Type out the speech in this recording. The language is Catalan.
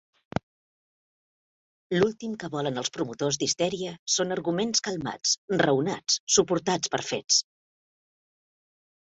"L'últim que volen els promotors d'histèria són arguments calmats, raonats suportats per fets.